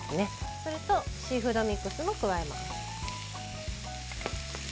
それとシーフードミックスも加えます。